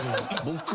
僕。